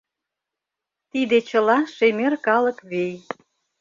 Тиде чыла шемер калык вий.